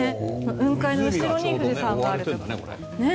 雲海の後ろに富士山があると。